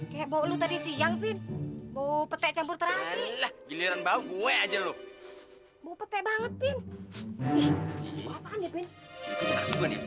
kebolu tadi siang pin bau petek campur terasi giliran bau gue aja lu mau petek banget pin